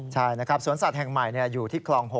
ใช่นะครับสวนสัตว์แห่งใหม่อยู่ที่คลอง๖